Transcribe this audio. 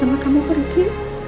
emak kamu pergi